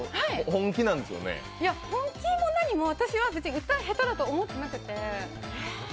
本気も何も私別に歌下手だと思ってなくて。